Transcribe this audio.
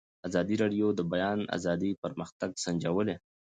ازادي راډیو د د بیان آزادي پرمختګ سنجولی.